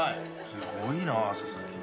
すごいなぁ佐々木。